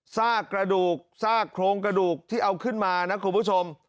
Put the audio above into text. ซากกระดูกซากโครงกระดูกที่เอาขึ้นมานะคุณผู้ชม